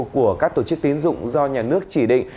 của các tổ chức tín dụng do nhà nước chỉ định